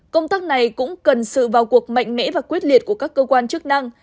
công tác này cũng cần sự vào cuộc mạnh mẽ và quyết liệt của các cơ quan chức năng